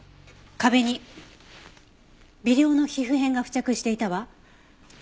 壁に微量の皮膚片が付着していたわ。